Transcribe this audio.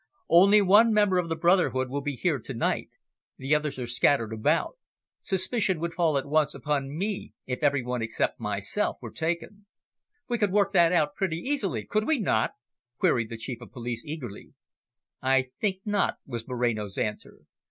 Only one member of the brotherhood will be here to night. The others are scattered about. Suspicion would at once fall upon me if every one except myself were taken." "We could work that out pretty easily, could we not?" queried the Chief of Police eagerly. "I think not," was Moreno's answer.